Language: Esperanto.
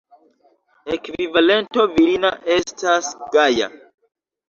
Ekvivalento virina estas Gaja.